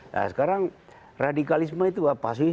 nah sekarang radikalisme itu apa sih